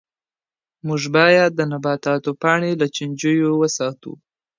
موږ باید د نباتاتو پاڼې له چنجیو وساتو.